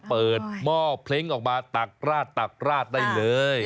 หม้อเพลงออกมาตักราดตักราดได้เลย